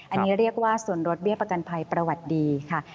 อันนี้เรียกว่าส่วนลดเบี้ยประกันภัยประวัติดีค่ะ